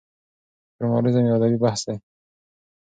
فورمالېزم يو ادبي بحث دی.